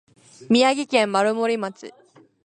宮城県丸森町